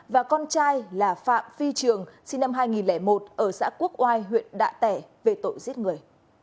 và con trai là phạm phi trường sinh năm hai nghìn một ở xã quốc oai huyện đạ tẻ về tội giết người